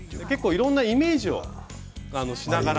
いろいろなイメージをしながら